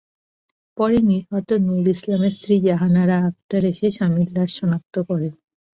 পরে নিহত নূর ইসলামের স্ত্রী জাহানারা আক্তার এসে স্বামীর লাশ শনাক্ত করেন।